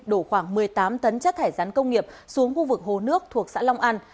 đổ khoảng một mươi tám tấn chất thải rắn công nghiệp xuống khu vực hồ nước thuộc xã long an